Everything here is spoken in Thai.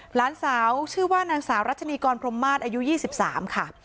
หลานสาวชื่อว่านางสาวรัชนีกรพรมมาศอายุ๒๓ค่ะ